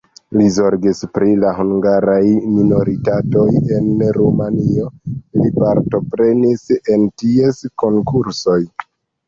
Li zorgis pri la hungaraj minoritatoj en Rumanio, li partoprenis en ties konkursoj.